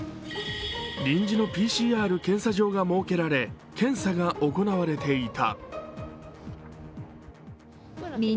臨時のＰＣＲ検査場が設けられ検査が行われていた。